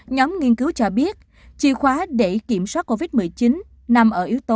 nhóm nghiên cứu cho biết chìa khóa để kiểm soát covid một mươi chín nằm ở yếu tố